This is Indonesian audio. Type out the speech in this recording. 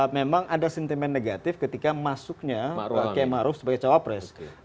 memang ada sentimen negatif ketika masuknya pak k maruf sebagai capres